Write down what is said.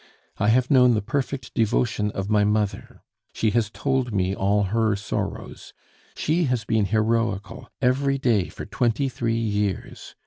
I have known the perfect devotion of my mother; she has told me all her sorrows! She has been heroical every day for twenty three years.